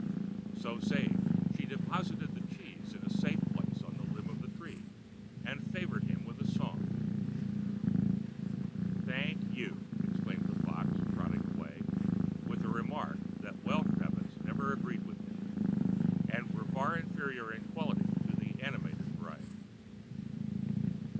So saying, she deposited the Cheese in a safe Place on the Limb of the Tree, and favored him with a Song. "Thank you," exclaimed the Fox, and trotted away, with the Remark that Welsh Rabbits never agreed with him, and were far inferior in Quality to the animate Variety.